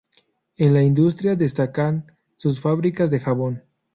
En la industria destacan sus fábricas de jabón.